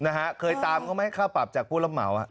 นะฮะเคยตามเขาไหมค่าปรับจากผู้รับเหมา